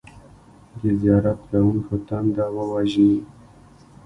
د زیارت کوونکو تنده ووژني.